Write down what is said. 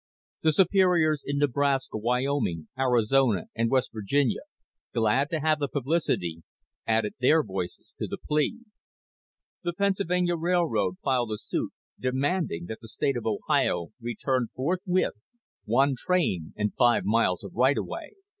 The Superiors in Nebraska, Wyoming, Arizona and West Virginia, glad to have the publicity, added their voices to the plea. The Pennsylvania Railroad filed a suit demanding that the state of Ohio return forthwith one train and five miles of right of way.